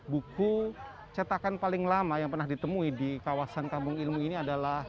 buku cetakan paling lama yang pernah ditemui di kawasan kampung ilmu ini adalah